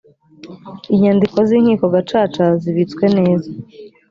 inyandiko z’inkiko gacaca zibitswe neza